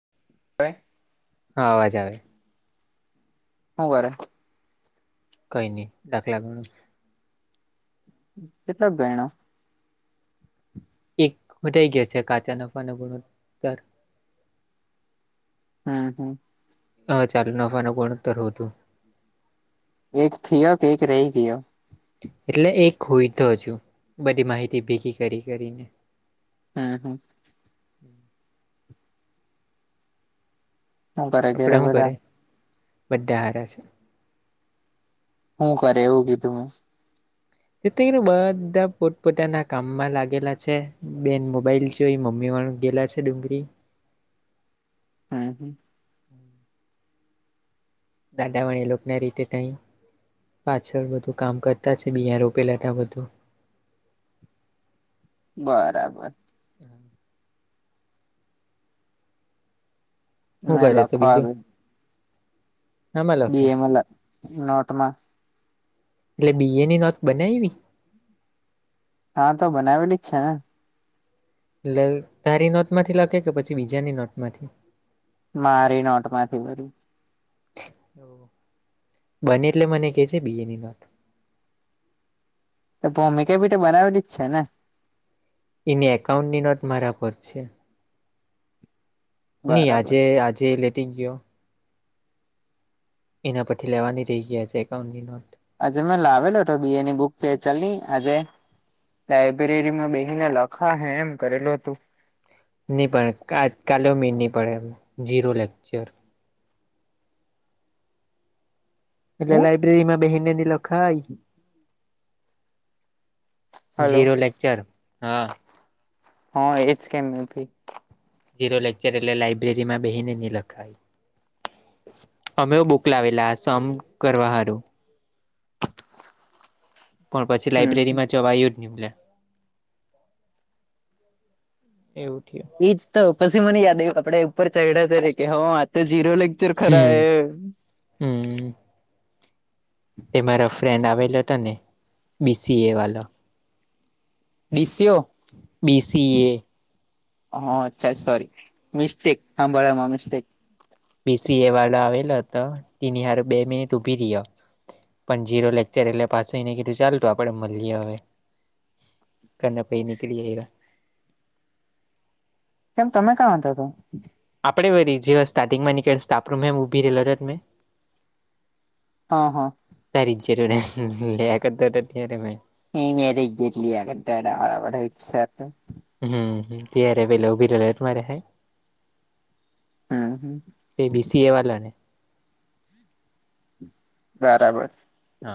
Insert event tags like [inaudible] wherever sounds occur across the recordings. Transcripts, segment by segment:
[inaudible] હા અવાજ આવે. હુ કરે? કઈ નઈ દાખલા [unintelligible] કેટલાક ગયણો? એક ઘટઈ ગયા છે, કાચા નફાનું [unintelligible] હમ હમ. હ ચાલુ નફાના કોણતર હોતું. એક થયો કે એક રહી ગયો? એટલે એક હોય તો છું બધી માહિતી ભેગી કરી કરીને. હમ હમ. હું કરે આપડે ઘરે શું કર? બધા બધા હારા છે. શું કરે એવું કીધું મેું. તેથી બધા પોત‌ પોતાના કામમાં લાગેલા છે. બેન મોબાઈલ જોય. મમ્મી વણ ગેલા છે, [unintelligible] હમ હમ. [unintelligible] લોકના રીતે તઈ પાછળ બધું કામ કરતા છે, બીયાાર રોપેલાતા બધું બરાબર. શું ના કરે તો લખવા. બીજું [unintelligible] આમાં લખે [unintelligible] નોટમાં. એટલે બી એની નોત બનાયવી? હા તો બનાવેલી જ છે, ને. એટ તારી નોટમાંથી લખે કે પછી બીજાની નોટમાંથી? મારી નોટમાંથી વરી. બને એટલે બને કે જે બી એની નોટ. તો [unintelligible] તો બનાવેલી જ છે, ને. એની એકાઉન્ટની નોટ મારા પર છે. નહી બરાબર આજે આજે લેટી ગયો. એના પરથી લેવાની રહી ગયા છે એકાઉન્ટની નોટ. આજે મેં લાવેલો હતો બી એ ની બુક છે ચાલની આજે લાઈબ્રેરીમાં બેહી લખા હે એમ કરેલું હતું. નહીં પડે આજ કાલ ભી નહીં પડે એમ ઝીરો લેક્ચર. એટલે હું લાઈબ્રેરીમાં બહી ની લખાય. હલો જીરો લેકચર હા. હ એજ કેમ મે ભી. જીરો લેક્ચર એટલે લાઈબ્રેરીમાં બેહીને લખાય અમે બુક લાવેલા સમ કરવા હારું પણ પછી હમ લાઈબ્રેરીમાં જવા આવયું જ નહીલે એવુંઠ એજ તો પછી મને યાદ આવ્યું. આપડે ઉપર ચડ્યા તરીકે હ આ તો ઝીરો લેક્ચર ખરા. હમ્મ તે મારા ફ્રેન્ડ આવેલા હતો ને બી સી એ વાલો બિસિઓ. બી સી એ. અચ્છા સોરી મિસ્ટેક હાબરામાં મિસ્ટેક. બી સી એ વાળા આવેલા હતા તેની હાર બે મિનિટ ઊભી રયો. પણ જીરો લેક્ચર એટલે પસી મે કીધું ચાલતું આપડે મળીએ હવે. કરી પહી નિકળી આયવા. કેમ તમે કા હતા તો? આપડે વરી જેવા સ્ટાર્ટિંગમાં નીકળતા સ્ટાફરૂમ હે ઉભી રહેેલો મેં. હ હ. તારી જરૂર લેયા કરતો તયારે મે. એ મેરે જ જેટલી એ હડાબઈ છે તો હમમ તેયરે બેલેગ વિરલે તરે હાય હમ હમ પ બીસી એ વાલા ને બરાબર હ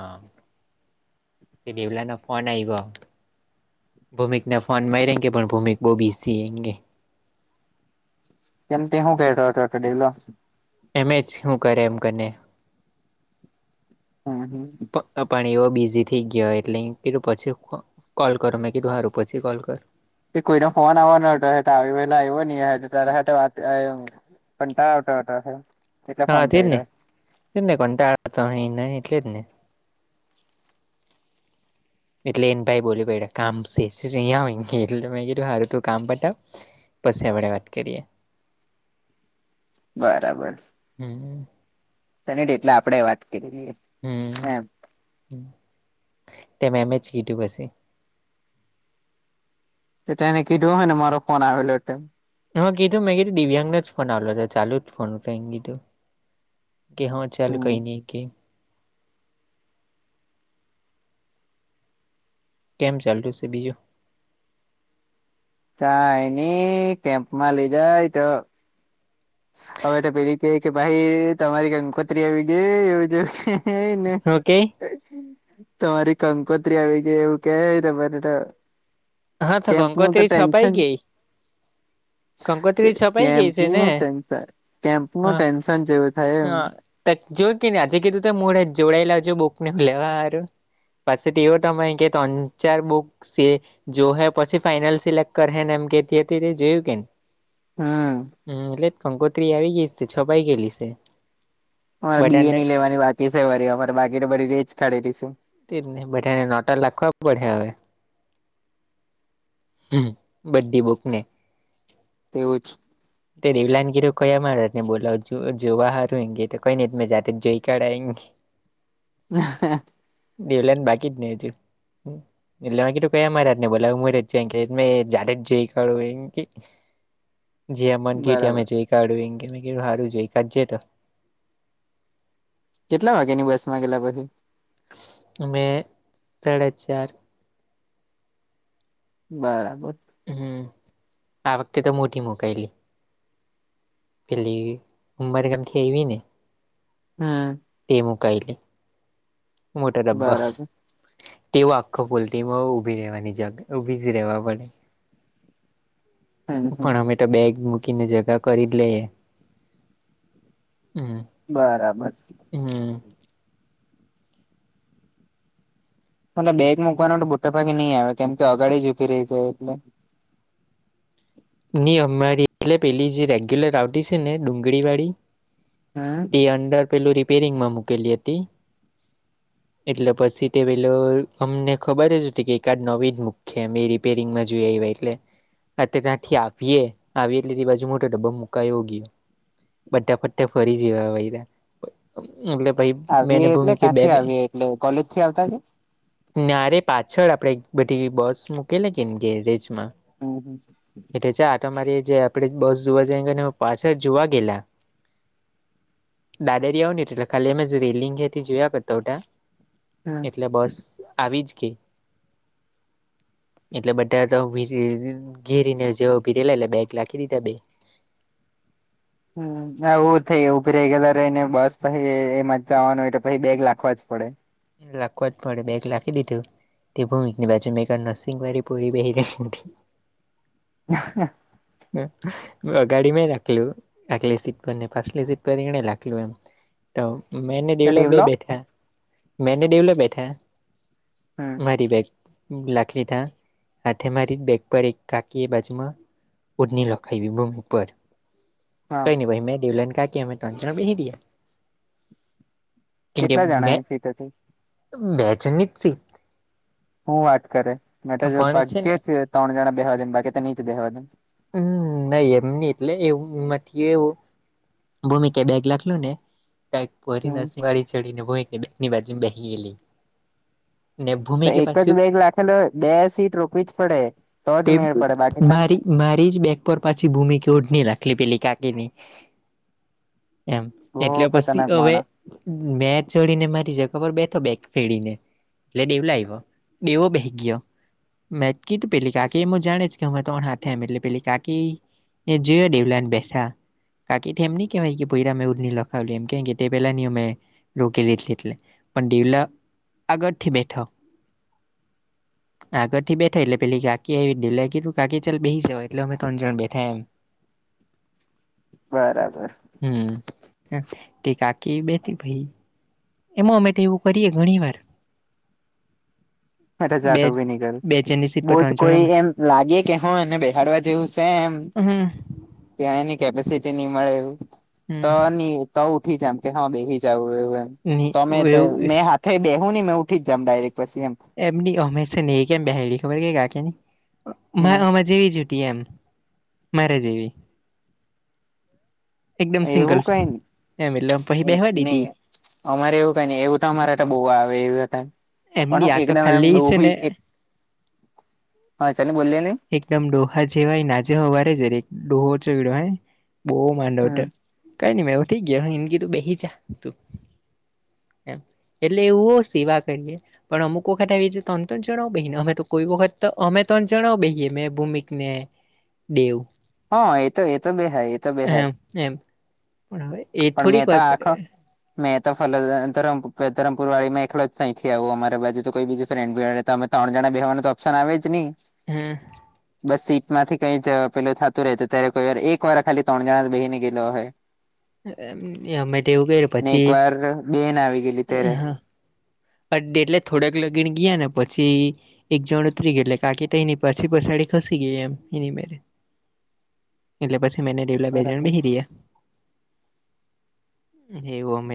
તેથી પલાનો ફન આયવો ભૂમિકના ફોન મારીરેંગે પણ ભૂમિક બો બીસી એમ કેય કેમ તે શું કેતલો એમએચ હું કરે એમ કરી હમ હમ પાણી એવો બીઝી થઈ ગયો એટલે કીધું પછી કોલ કરો મેં કીધું સારું પછી કોલ કર એ કોઈને ફોન આવવા ન હતો આવી પલે આવ ન ત વાત પણ ક આવટોટ હ હા તેર ને તે ને કોતા તો અ ન એટલે જ ને એટલે એને ભાઈ બોલ્યું કામ સે [unintelligible] તું કામ પતાવ પછી આપડે વાત કરીએ બરાબર હમ્મ તને એટલે આપડે વાત કરી હ એમ તેમ એમએચ કીધું પશે તે એનેકીધુંય ને ફો આલો તેમમ હું કીધું મેં કીધું દિવ્યાંગને જ ફોન આવલો હતો ચાલુ જ ફોન કઈ કીધું કે હા ચાલ હમ કઈ નઈ કે. કેમ ચાલતુ છે બીજું! ! કાંઈ ની કેમ્પમાં લઈ જાય તો હવે તો પેલી કે કે ભાઈ તમારી કંકોત્રી આવી ગઈ એવું જેવું કેય. હને ઓકે તમારી કંકોત્રી આવી ગઈ એવું કે મને તો હા તો કેમ્પ નુ તો કંકોત્રી છપાઈ ટેન્શન ગઈ કંકોત્રી છપાઈ ગઈ છે ને કેમ્પનું કેમ્પ નું ટેન્શન જેવુ થાય એમ. ત જોયું કેને આજે કીધું તો મોઢે જ જોડાઈ લાવજો બુકને લેવા હારું. પાછી તોવો તમારી કે તણ ચાર બુક છે. જો હે પછી ફાઈનલ સિલેક્ટ કરે ને એમ કેતી હતી તે જોયું કેને હમ્મ. હમ્મ એટલે જ કંકોત્રી આવી ગઈ છે છપાઈ ગયેલી છે. અમારે બી એ ની લેવાની બાકી છે વારી અમારે બાકીને બધી લેય જ કાળેલી. તે જ નહી બધાને નોટા લખવા પડે હવે. હમ્મ બધી બુકને. તેવું જ. એ દેવલાને કીધું કયા મહારાજ ને બોલા જોવા હારુંં તો કઈ ને ત જાતે જ જોઈ કઢા એમ કેય. [inaudible] હ હ. દેવલાને બાકી જ નહી ત. એટલે મેં કીધું કયા મહારાજ ને બોલાવ હું જ મે જાતે જ જોય કાઢું એમ કેય જ્યારે મન થયું ત્યારે બરાબર મે જોઈ કાઢું મેં કીધું સારું જોઈ કાઢજ તો. કેટલા વાગ્યાની બસ માં ગેલા પછી. મે સાડા ચાર. બરાબર. હમ્મ આ વખતે તો મોટી મુકાયેલી. પેલી ઉંમરગામથી આવી ને હમ્મ. તે મુકાયલી મોટા ડબ્બા બરાબર તેવ આખો ફુલ ઊભી રહેવાની જ ઊભી જ રહેેવા પડે. હમ હમ પણ અમે તો બેગ મૂકીને જગા કરી. એટલે હમ્મ. બરાબર. હમ્મ. એટલે બેગ મૂકવાનું તો મોટા ભાગે નહી આવે કેમ કે અગાડી જ ઊભી રહી જાય એટલે. ની અમારી એલે પેલી જે રેગ્યુલર આવતી છે ને ડુંગળી વાળી હા. એ અંદર પેલું રિપેરિંગમાં મૂકેલી હતી. એટલે પછી તે પેલો અમને ખબર જ કે એકાદ નવી જ મુક હે. રીપેરીંગ માં જોય આયવા એટલે તે તા થી આવીએ આવીએ એટલે એ બાજુ મોટો ડબ્બો મુકાય ગયો. બટા પટ્ટે ફરી જવા હોય્યા એટલે ભાઈ બે આવીએ ની એટલે ભૂમિકે બે ક્યાંથી બે આવીએ એટલે કોલેજ થી આવતા કે નારે પાછળ આપડે બધી બસ મૂકેલી કે ને ગેરેજ માં હ હા છે આટ મારી જે આપડે બસ જોવા જઈ પાછળ જોવા ગેલા દાદારીયા આવ ને એટલે ખાલી અમે રેલિંગયાથી જોયા કરતાટા હમ એટલે બસ આવી જ કે એટલે બધા તો ઘેરીને જેવ ભીરેલા એટલે બેગ લખી દીધા બે હમ્મ એવું થઈ ઉભી રહી ગેલા રેયને બસ પછી એમાં જ જવાનું હો તો પછી બેગ લખવા જ પડે. લખવા જ પડે બેગ લાખી દીધું. તે ભૂમિકની બાજુ માં એકાદ નરસિંગવારી પોરી બેહિ જાય. હ હ. ગાડીમાં રાખલું આટલી સીટ પરને પાછલી સીટ પર એને લખલું એમ તો મેને તો ડેલોપ બે ડેવલો બેઠા મેને દેવલા બેઠા હમ મારી બેગ લાખ લીતાા હાથે મારી બેગ પર એક કાકી બાજમાં પૂટની લખાવવી ભૂમિ પર હા કઈ ન ભાઈ મેં દેવલન કા કે તો અચના ભહી દ કેટલા જણા એ સીતથી બેજની જ હું વાત કરે મેા પણ બાકી ને છે ત્રણ જણા બેહેવા દે બાકી ત ની જ બેવા દ હમ નહી એમ ન એટલે એવું મ એવું ભૂમિક એ બેગ લખલ ને પરીને હમ સિવાળી ચડીને ભૂમિકની બેગની બાજુ બે ગયેલી ને તો ભૂમિકે એક પાછું જ બેગ લખેલો બે સીટ રોકવી જ પડે તો જ મેળ પડે બાકી તન મારી મારી જ બેગ પર પાછી ભૂમિ કે ઓઢની લખલી પેલી કાકી ની એમ બહુ એટલે પછી ખતરનાક હવે માણસ મે ચડી ને મારી જગા પર બેઠો બેક ફેડીને એટલે દેવ લ આવ્યો દેવો બેહે ગયો મેટકીી પેલી કા ાકી એમું જાણે છે કે હ ત્રણ હાથે એમ એટલે પે કાકી ને જોયો દેવલા ને બેઠા બાાકીથી એમ ન કેહેવાય કે ભરા મે ઉ લખાવ્યું એમ કે કે તે પેલા નની અમે રોકેલી એટલે એટલે પણ દેવલા આગળથી બેઠો આગથી બે થઈલે પેલી ગ કેવી દ લ તું કાકી ચાલ બેસી જવા એટલે અમે ત્રણ જણ બેઠા એમ બરાબર હમ તે કાકી બેતી ભાઈ એમાં અમે તો એવું કરીએ ઘણી વાર એટ બે જાટો બનીગલ બે જણની સીટ પર બોજ ત્રણ જણ કોઈ અમે એમ લાગે કે હો બેસાાડવા જેવું છે એમ હમ ત્યા એની કેપેસિટી નહ મળે એવું તો હમ તો ઉઠી જમ કે હા બેહી જાવ એવું એમ તમે એવું મેંા થ બેવું ને મે ઉી જમ ડાયરેક્ટ પછી એમ એમની અમે છે નહ કેમ બહેડી ખબર કે ગા કેની હમ અમે જેવી જટી એમ મારે જેવી એકદમ એવું સિંગલ કઈ નને એમ એટલે પછી બેહવા દીધી નહી અમારે એવું કઈ ને એવ તો અરે બહુ આવે એવું પણ એમની હું આ તો એકદમ એમ ખાલી દો છે ને એક હા ચ બોલીએ નહી એકદમ ડોહા જેવાય નાજે હોવારે છે ર ડોહો ચોડ્યો હે બહ માંડો હતો હમ કઈ ન ભ ઠી ગ હ હિનકી તું બેહી જાા તું એમ એટલે એવું સિવા કરીએ પણ અમુક વખત આવી રીતે ત તો જણાવો બે ને અમે તો કોઈ વખત તો અમે તણ જણાવ બે જે મેં ભૂમિકને દેવ હા એ તો એતો બે હૈ એતો બે હૈ એમ એમ પણ હવે એ થોડીક તો વાર પડે આખો મેં તો ફ ધરમપુર વાળીમાં એકલો જ તહીં થી આવ્યું અમારી બાજુ તો કોઈ બીજું ફ્રેન્ડ ત્રણ જણા બેહેવા તો ઓપ્શન આવે જ નહી હા બસ સીટ માંથી કઈ જવા પેલો થ રહે ત્યારે કોઈ વાર એક વાર ખાલી ત્રણ જણા બ બેહી ને ગયેલો હોય અમે તેવું કર એક પછી વાર બેન આવી ગયેલી તત્યારે અ એટલે થોડક લગીન ગયા ને પછી એક જણ ઉતરી ગયેલે કાકી તો એની પછી પસાડી ખસી ગઈ એમ એની મે એટલે પછી મેને ડેવલા બે જણ બરાબર બહીરી્યા એવું અમે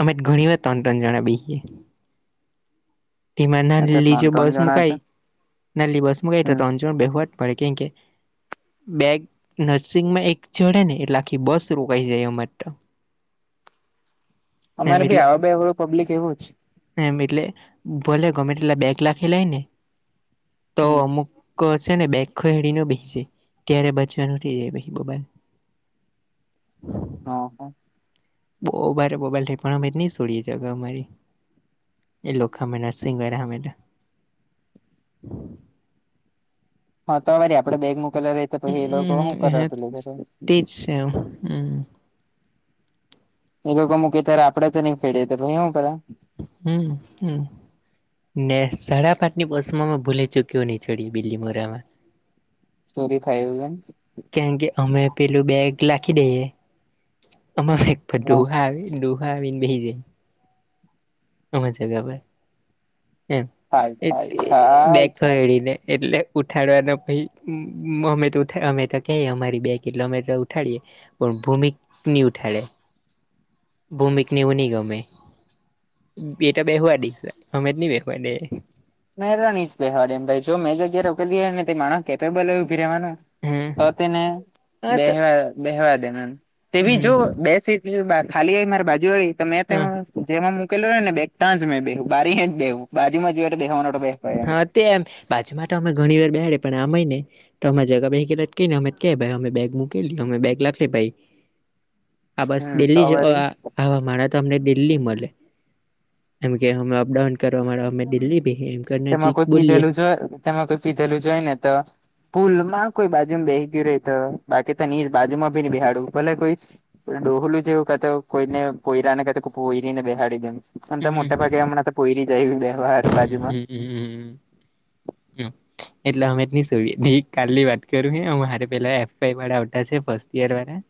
અમે ઘણી વાર તણ તન જણા બેએ તેમાં અચ્છા નાલી જે ત્રણ ત્રણ બસ જણા મુકઈ હતા નલી બસ મુકઈ ત હમ વવવાટ મળડે કેમ કે બે નર્સિંગમાં એક ચડે ને એટલે આખી બસ રોકાઈ જાય એમારે તો એમ અમારે એટલે બી હ પબ્લિક એવું છે એમ એટલે ભોલે ગમે એટલા બે કલા ખેલાયને તો હમ અમુક કસે ને બેગ હેરીને બેહીજ ત્યારે બાચવાનું બે બા હા હ બહુ બરે બોબાઈલ થઈ પણ અમે નહી છોડીએી અમારી એ લોકોક હમે નર્સિંગ વગેમે હા તોવારી આપડે બેગ મોકલા ર તો પછી એ લોકો શું કર લ જ તે હમ એ લોકો મૂકી ત્યારે આપડે તો નહી ફેડે તોછ એવું કરે હમ હમ ને સાડા પાઠની બસ માં ભૂલે ચૂક્યો નહી ચડી બીલી મોરામાં છુરી ખાયું કે કારણ કે અમે પેલું બેગ લખી દઈએ અમે હ દઘા દઘાન બેસીી જાય આમ જગા ભાઈ એમ થાય એ થાય થાય થાય બેડીને એટલે ઉઠાડવાનો પછ અમે તો ઉ અમે તો કે અમારી બેગ એટલે અમે તો ઉઠાડીએ ભૂમિક નિ ઉઠાે ભૂમિક વું નહી ગમે એ તો બેઠવા દઈશ અમે જ નહી બેઠવા દે એ મેરાની જ બેહેવાડેમ ભાઈ જો મેં જગ્યાએ રોકેલી ને માણ કેપેબલું ભી રહેવાનું હ તો તેને બેવા બેવા દેના તે હ બી જો બે સીટ ખાલી આ મારે બાજુ વાળી તો મેં ત જેમાં મોૂકેલલો હોય ને બે તાં જ મેં બેહું બારી જ બેહું બાજુમાં જો દવાનો બે હા તે એમ પાછા માટે અમે ઘણી વાર બેડે પણ આમય ને તો અમે જગા બે કને અમે કે ભાઈ અમે બેગ મુૂકેલી અમે બેગ લખડી ભાઈ આ બસ હમ તો દિલ્હી જ વરી આવા મારા તો અમને દિલ્હી મળે એમ કે અમે અપડાઉન કરવા અમે દિલ્હી ભી તેમાં કોઈ પીધેલું જો તેમાં કોઈ પીધેલું જોઈ ને તો પુલ માં કોઈ બાજુમાં બેહી ગયું રહી તો બાકી તો ની બાજુ માં ભી બેહાડવું ભલે કોઈ ડોલું જેું કા તો કોઈને કોયરા ને ક કોઈરીને બેહાડી દેમ અનેમ તો મોટા ભાગે હમણાં તો કોઈરી જાય બે હર બાજુમાં હમ હ એટલે અમે જ ન કાલની વાત કરું હ મારે પેલાફ વાળા આવ છે ફર્સ્ટ યર વાળા